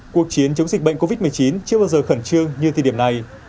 cuộc chiến chống dịch bệnh covid một mươi chín chưa bao giờ khẩn trương như thời điểm này